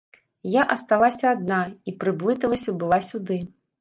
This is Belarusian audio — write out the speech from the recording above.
Я асталася адна і прыблыталася была сюды.